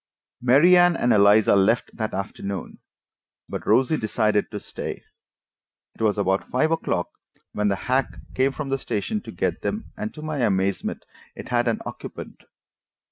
Mary Anne and Eliza left that afternoon, but Rosie decided to stay. It was about five o'clock when the hack came from the station to get them, and, to my amazement, it had an occupant.